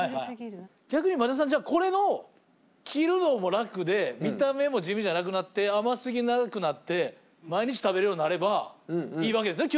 逆に前田さんじゃあこれの切るのも楽で見た目も地味じゃなくなって甘すぎなくなって毎日食べるようになればいいわけですね？